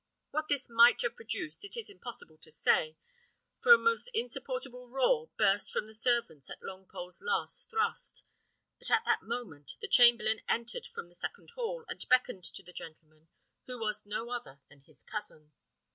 What this might have produced it is impossible to say, for a most insupportable roar burst from the servants at Longpole's last thrust; but at that moment the chamberlain entered from the second hall, and beckoned to the gentleman, who was no other than his cousin.